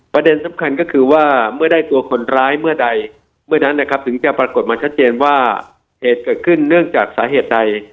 ประเด็นสำคัญก็คือว่าเมื่อได้ตัวคนร้ายเมื่อใดเมื่อนั้นนะครับถึงจะปรากฏมาชัดเจนว่าเหตุเกิดขึ้นเนื่องจากสาเหตุใด